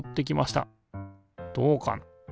どうかな？